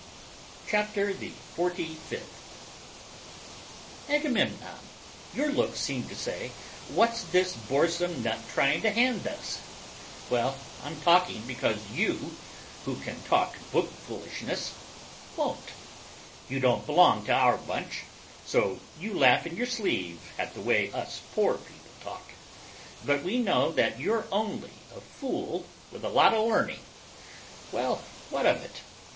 '" CHAPTER THE FORTY SIXTH "Agamemnon, your looks seem to say, What's this boresome nut trying to hand us?' Well, I'm talking because you, who can talk book foolishness, won't. You don't belong to our bunch, so you laugh in your sleeve at the way us poor people talk, but we know that you're only a fool with a lot of learning. Well, what of it?